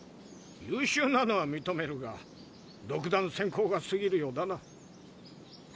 優しゅうなのは認めるが独断専行が過ぎるようだな。